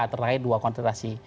terakhir dua kontestasi